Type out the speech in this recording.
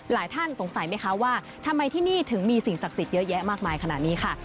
ท่านสงสัยไหมคะว่าทำไมที่นี่ถึงมีสิ่งศักดิ์สิทธิ์เยอะแยะมากมายขนาดนี้ค่ะ